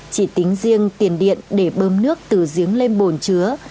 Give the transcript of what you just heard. chỉ tính riêng tiền điện để bơm nước từ giếng lên bồn chứa